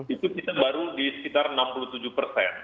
itu kita baru di sekitar enam puluh tujuh persen